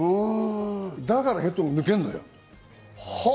だからヘッドが抜けるのよ。